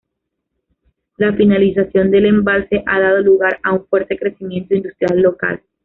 La finalización del embalse ha dado lugar a un fuerte crecimiento industrial local.